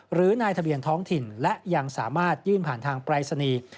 หรือนายทะเบียนท้องถิ่นและยังสามารถยื่นผ่านทางปรายศนีย์